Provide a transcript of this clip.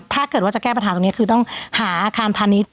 ถ้าเกิดว่าจะแก้ปัญหาตรงนี้คือต้องหาอาคารพาณิชย์